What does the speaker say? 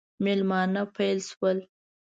مېلمانه پیل شول.